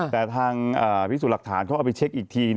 แต่ทางพิสูจน์หลักฐานเขาเอาไปเช็คอีกที